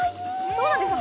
そうなんですよ